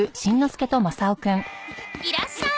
いらっしゃーい！